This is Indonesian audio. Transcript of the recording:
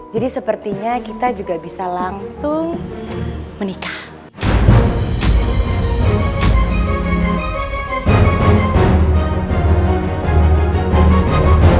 jadi sepertinya kita juga bisa langsung menikah